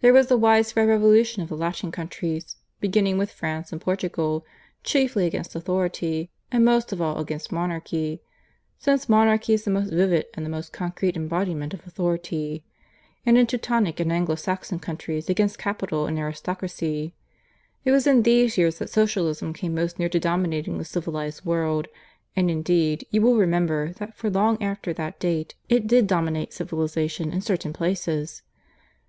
There was the widespread revolution of the Latin countries, beginning with France and Portugal, chiefly against Authority, and most of all against Monarchy (since Monarchy is the most vivid and the most concrete embodiment of authority); and in Teutonic and Anglo Saxon countries against Capital and Aristocracy. It was in these years that Socialism came most near to dominating the civilized world; and, indeed, you will remember that for long after that date it did dominate civilization in certain places.